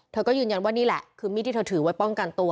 เธอก็ยืนยันว่านี่แหละคือมีดที่เธอถือไว้ป้องกันตัว